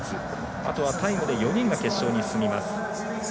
あとはタイムで４人が決勝に進みます。